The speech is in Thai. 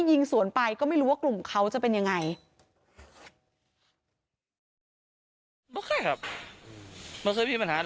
โดนแล้วโดนอีกแล้วนะ